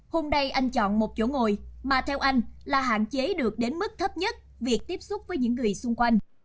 hôm nay anh chọn một chỗ ngồi mà theo anh là hạn chế được đến mức thấp nhất việc tiếp xúc với những người xung quanh